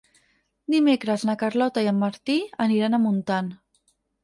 Dimecres na Carlota i en Martí aniran a Montant.